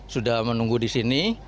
sudah menunggu di sini